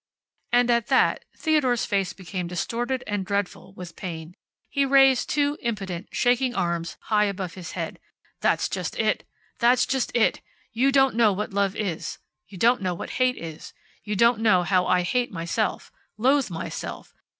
And at that Theodore's face became distorted and dreadful with pain. He raised two impotent, shaking arms high above his head. "That's just it! That's just it! You don't know what love is. You don't know what hate is. You don't know how I hate myself. Loathe myself.